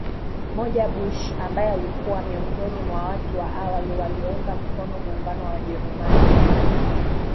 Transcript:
moja Bush ambae alikuwa miongoni mwa watu wa awali waliounga mkono muungano wa Ujerumani